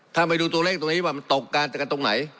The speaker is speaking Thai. ถ้าไปดูตัวเลขตรงนี้ว่ามันตกกันแต่กันตรงไหน